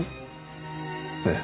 ええ。